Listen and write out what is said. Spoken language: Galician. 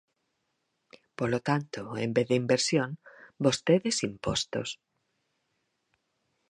Polo tanto, en vez de inversión, vostedes impostos.